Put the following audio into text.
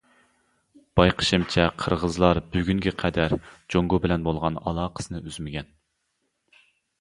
بايقىشىمچە قىرغىزلار بۈگۈنگە قەدەر جۇڭگو بىلەن بولغان ئالاقىسىنى ئۈزمىگەن.